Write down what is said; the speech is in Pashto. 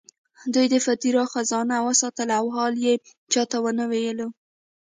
دوی د پیترا خزانه وساتله او حال یې چا ته ونه ویلو.